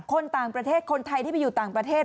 คนต่างประเทศคนไทยที่ไปอยู่ต่างประเทศ